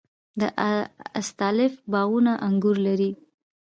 د استالف باغونه انګور لري.